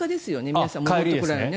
皆さん戻ってこられるの。